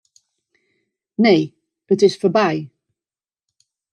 Nee, it is fuortby.